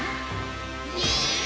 ２！